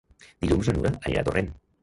Dilluns na Nura anirà a Torrent.